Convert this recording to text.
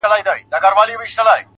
• چي په سرو وینو کي اشنا وویني_